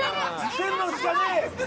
線路しかねえ！